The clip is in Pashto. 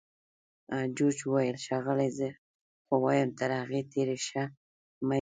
جورج وویل: ښاغلې! زه خو وایم تر هغوی تېر شه، مه یې څښه.